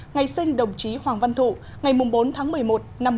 ngày sinh đồng chí hoàng văn thụ ngày bốn tháng một mươi một năm một nghìn chín trăm bảy